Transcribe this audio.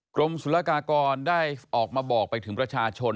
กรมศุลกากรได้ออกมาบอกไปถึงประชาชน